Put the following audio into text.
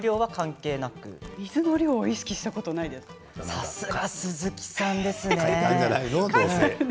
水の量はさすが鈴木さんですね。